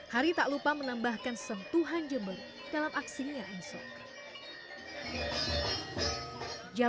hari tak lupa menambahkan sentuhan jember dalam aksinya enso